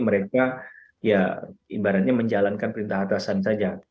mereka ya ibaratnya menjalankan perintah atasan saja